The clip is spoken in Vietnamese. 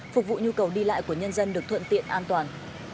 phục vụ nhu cầu đi lại của nhân dân được thuận tiện an toàn